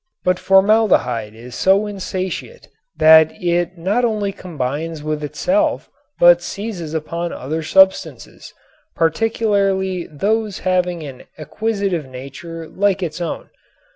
But formaldehyde is so insatiate that it not only combines with itself but seizes upon other substances, particularly those having an acquisitive nature like its own.